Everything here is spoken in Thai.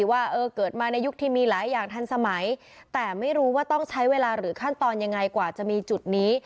ว่าเกิดมาในยุคที่มีหลายอย่างทันสมัยแต่ไม่รู้ว่าต้องใช้เวลาหรือขั้นตอนยังไงกว่าจะมีจุดนี้